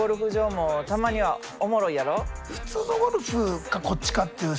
普通のゴルフかこっちかっていう選択肢